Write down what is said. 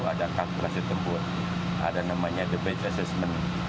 ada kalkulasi tembur ada namanya debate assessment